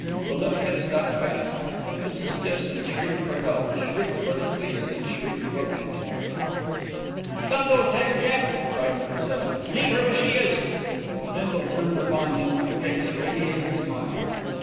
The lift had stuck fast. Mrs. Stiffson shrieked for help, shrieked for the police, and shrieked for vengeance. "Damned old tiger cat!" cried Number Seven. "Leave her where she is." Bindle turned upon him a face radiating smiles.